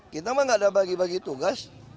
kita memang tidak ada bagi bagi tugas